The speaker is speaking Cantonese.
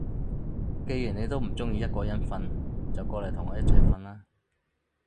既然你都唔中意一個人瞓，就過嚟同我一齊瞓啦